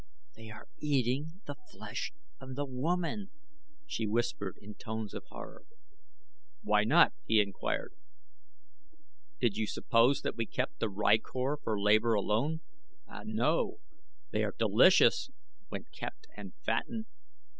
"They are eating the flesh of the woman," she whispered in tones of horror. "Why not?" he inquired. "Did you suppose that we kept the rykor for labor alone? Ah, no. They are delicious when kept and fattened.